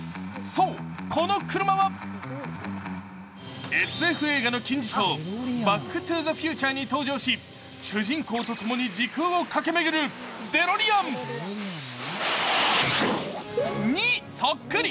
そうこの車はＳＦ映画の金字塔「バック・トゥ・ザ・フューチャー」に登場し主人公とともに時空を駆け巡るデロリアン。にそっくり。